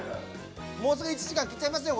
もうすぐ１時間切っちゃいますよ